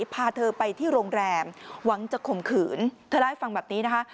พาเธอไปที่โรงแรมหวังจะข่มขืนเธอเล่าให้ฟังแบบนี้นะคะ